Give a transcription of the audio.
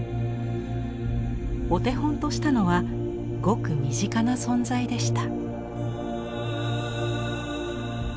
お手本としたのはごく身近な存在でした。